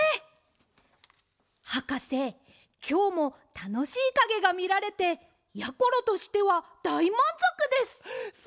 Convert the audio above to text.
はかせきょうもたのしいかげがみられてやころとしてはだいまんぞくです！